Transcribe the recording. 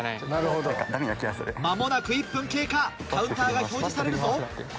間もなく１分経過カウンターが表示されるぞ。